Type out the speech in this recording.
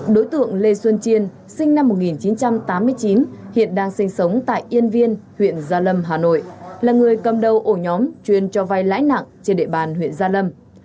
đối tượng lê xuân chiên sinh năm một nghìn chín trăm tám mươi chín hiện đang sinh sống tại yên viên huyện gia lâm hà nội là người cầm đầu ổ nhóm chuyên cho vai lãi nặng trên địa bàn huyện gia lâm